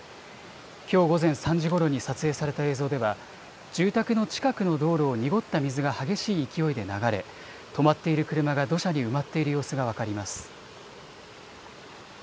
きょう午前３時ごろに撮影された映像では、住宅の近くの道路を濁った水が激しい勢いで流れ、止まっている車が土砂に埋まっている様子が分かります。